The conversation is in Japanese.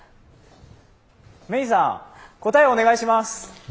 メイさん、答えをお願いします。